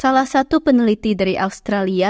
salah satu peneliti dari australia